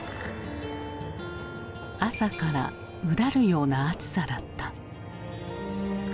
朝からうだるような暑さだった。